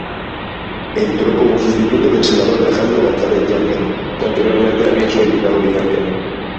Entró como sustituto del senador Alejandro González Yáñez, que anteriormente había solicitado licencia.